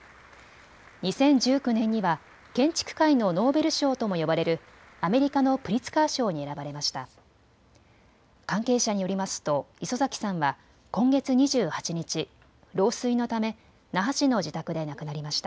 ２０１９年には建築界のノーベル賞とも呼ばれるアメリカのプリツカー賞に選ばれました。